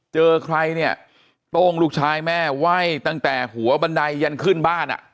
เจอใครเนี่ยโต้งลูกชายแม่ไหว้ตั้งแต่หัวบันไดยันขึ้นบ้านอ่ะ